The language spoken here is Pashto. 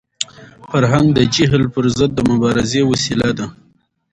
فرهنګ د جهل پر ضد د مبارزې وسیله ده.